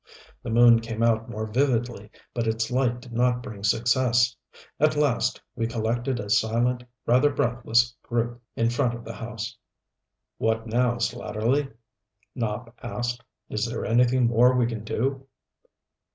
The moon came out more vividly, but its light did not bring success. At last we collected, a silent, rather breathless group, in front of the house. "What now, Slatterly?" Nopp asked. "Is there anything more we can do?"